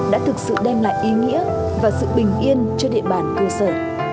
đã thực sự đem lại ý nghĩa và sự bình yên cho địa bàn cơ sở